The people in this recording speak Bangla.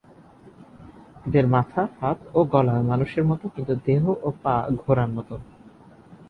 এদের মাথা, হাত ও গলা মানুষের মত কিন্তু দেহ ও পা ঘোড়ার মতো।